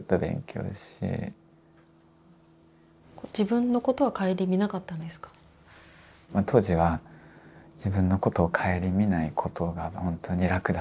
当時は自分のことを顧みないことが本当に楽だったと思います。